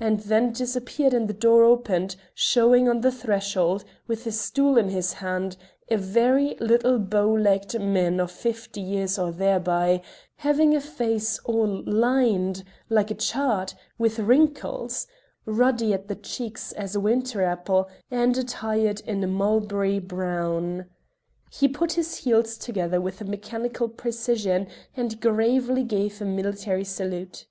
And then it disappeared and the door opened, showing on the threshold, with a stool in his hand, a very little bow legged man of fifty years or thereby, having a face all lined, like a chart, with wrinkles, ruddy at the cheeks as a winter apple, and attired in a mulberry brown. He put his heels together with a mechanical precision and gravely gave a military salute.